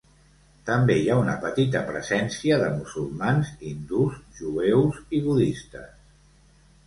També hi ha una petita presència de musulmans, hindús, jueus i budistes.